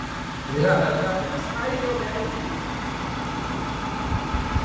Grazas, grazas, ¡aí, home, aí!